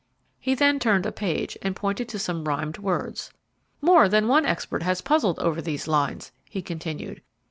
He then turned a page, and pointed to some rhymed words. "More than one expert has puzzled over these lines," he continued.